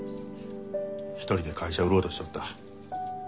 一人で会社売ろうとしとった。